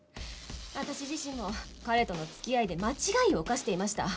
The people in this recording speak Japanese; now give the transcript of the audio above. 私自身も彼との付き合いで間違いを犯していました。